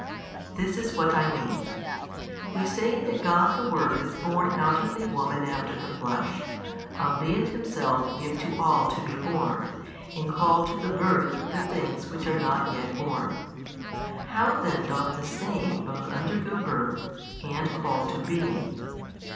This is what I mean: we say that God the Word is born out of a woman after the flesh, albeit Himself give to all to be born, and call to the birth the things which are not yet |228 born. How then doth the Same both undergo birth and call to being?